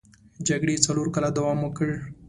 جګړې څلور کاله دوام وکړ.